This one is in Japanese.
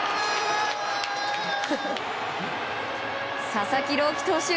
佐々木朗希投手